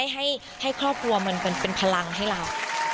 ให้ครอบครัวมันเป็นพลังให้เรา